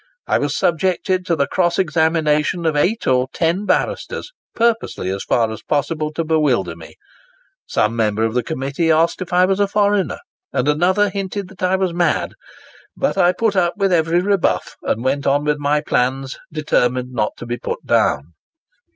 I was subjected to the cross examination of eight or ten barristers, purposely, as far as possible, to bewilder me. Some member of the Committee asked if I was a foreigner, and another hinted that I was mad. But I put up with every rebuff, and went on with my plans, determined not to be put down."